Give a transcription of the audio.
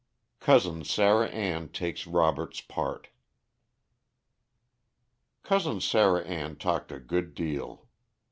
Cousin Sarah Ann Takes Robert's Part. Cousin Sarah Ann talked a good deal.